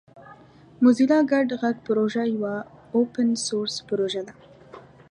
موزیلا ګډ غږ پروژه یوه اوپن سورس پروژه ده.